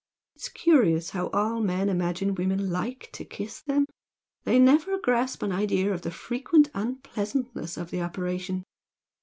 It's curious how all men imagine women LIKE to kiss them! They never grasp an idea of the frequent unpleasantness of the operation!